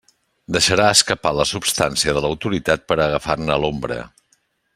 Deixarà escapar la substància de l'autoritat per a agafar-ne l'ombra.